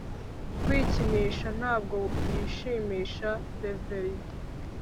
Kwikinisha Ntabwo yishimisha reverie